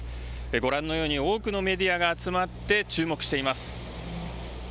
ご覧のように多くのメディアが集まって、注目しています。